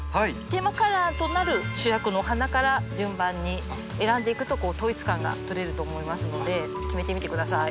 テーマカラーとなる主役のお花から順番に選んでいくとこう統一感が取れると思いますので決めてみて下さい。